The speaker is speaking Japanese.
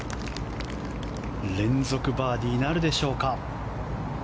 連続バーディーなるでしょうか。